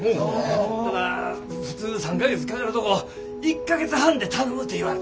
ただ普通３か月かかるとこ１か月半で頼むて言われた。